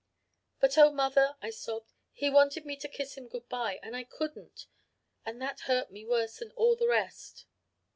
"'But oh, mother,' I sobbed, 'he wanted me to kiss him good bye and I couldn't and that hurt me worse than all the rest.'